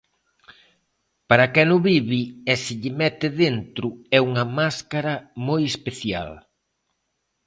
Para quen o vive e se lle mete dentro é unha máscara moi especial.